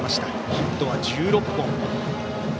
ヒットは１６本。